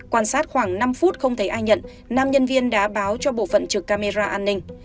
quan sát khoảng năm phút không thấy ai nhận nam nhân viên đã báo cho bộ phận trực camera an ninh